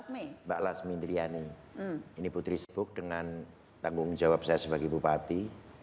mbak lasmi indrayani ini putri sebut dengan tanggung jawab saya sebagai bupati